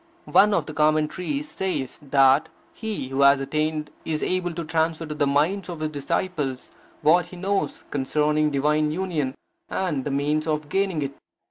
One of the commentaries says that he who has attained is able to transfer to the minds of his disciples what he knows concerning divine union, and the means of gaining it.